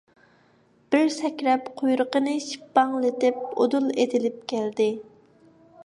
بىر سەكرەپ قۇيرۇقىنى شىپپاڭلىتىپ ئۇدۇل ئېتىلىپ كەلدى.